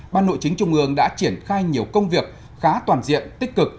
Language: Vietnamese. ban nội chính trung ương đã triển khai nhiều công việc khá toàn diện tích cực